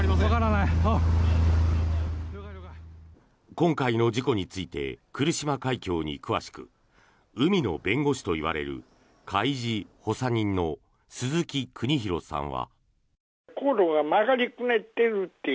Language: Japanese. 今回の事故について来島海峡に詳しく海の弁護士といわれる海事補佐人の鈴木邦裕さんは。